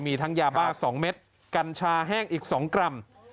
มีทั้งยาบ้า๒เม็ดกัญชาแห้งอีก๒กรัม